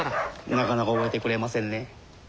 なかなか覚えてくれませんね。